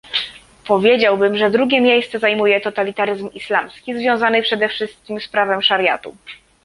Powiedziałbym, że drugie miejsce zajmuje totalitaryzm islamski, związany przede wszystkim z prawem szariatu